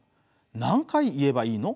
何回言えばいいの？